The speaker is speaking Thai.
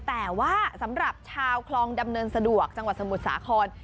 แต่ว่าสำหรับชาวคลองดำเนินสะดวกจังหวัดสมุทรสาคร